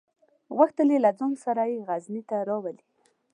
غوښتل یې چې له ځان سره یې غزني ته راولي.